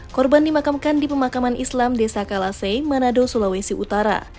korban dimakamkan di pemakaman islam desa kalasei manado sulawesi utara